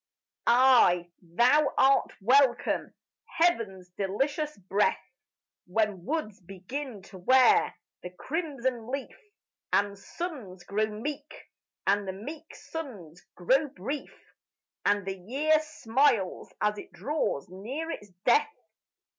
Ay, thou art welcome, heaven's delicious breath, When woods begin to wear the crimson leaf, And suns grow meek, and the meek suns grow brief, And the year smiles as it draws near its death.